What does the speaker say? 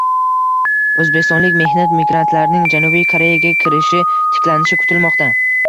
O‘zbekistonlik mehnat migrantlarining Janubiy Koreyaga kirishi tiklanishi kutilmoqda